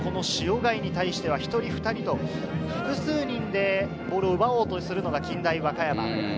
塩貝に対しては複数人でボールを奪おうとするのが近大和歌山。